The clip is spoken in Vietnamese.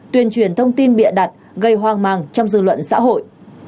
tuyên truyền thông tin bịa đặt gây hoang mang trong dư luận xã hội